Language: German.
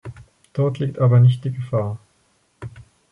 Dort liegt aber nicht die Gefahr.